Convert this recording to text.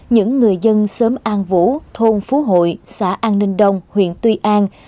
những người dân xóm an vũ thôn phú hội xã an ninh đông huyện tuy an